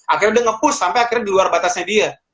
akhirnya udah nge push sampai akhirnya di luar batasnya dia